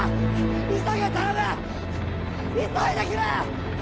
急げ頼む！急いでくれ！